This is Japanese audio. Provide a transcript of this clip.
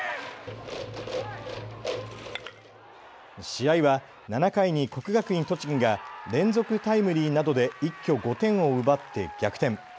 試合は７回に国学院栃木が連続タイムリーなどで一挙５点を奪って逆転。